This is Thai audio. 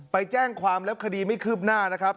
ไปแจ้งความแล้วคดีไม่คืบหน้านะครับ